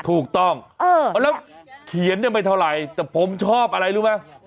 ถูกต้องแล้วเขียนไม่เท่าไรนะเดี๋ยวผมชอบอะไรรู้ไหม